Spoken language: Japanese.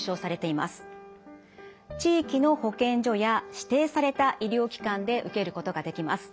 地域の保健所や指定された医療機関で受けることができます。